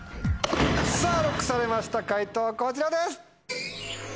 さぁＬＯＣＫされました解答こちらです！